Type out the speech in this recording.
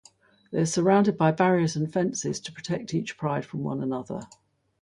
They are surrounded by barriers and fences to protect each pride from one another.